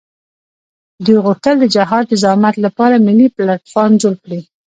دوی غوښتل د جهاد د زعامت لپاره ملي پلټفارم جوړ کړي.